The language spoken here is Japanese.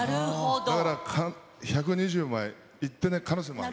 だから、１２０枚いってない可能性もある。